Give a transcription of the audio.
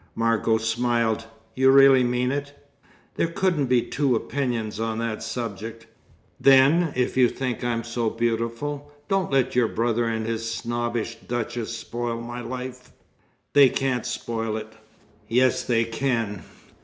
Margot smiled. "You really mean it?" "There couldn't be two opinions on that subject." "Then, if you think I'm so beautiful, don't let your brother and his snobbish Duchess spoil my life." "They can't spoil it." "Yes, they can.